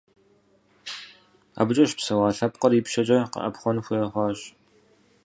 АбыкӀэ щыпсэуа лъэпкъыр ипщэкӀэ къэӀэпхъуэн хуей хъуащ.